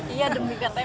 iya demi ktp